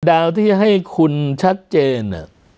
ดาวที่ให้คุณชัดเจน